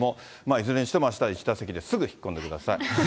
いずれにしても、あした１打席ですぐ引っ込んでください。